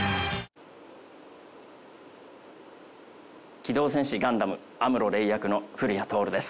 『機動戦士ガンダム』アムロ・レイ役の古谷徹です。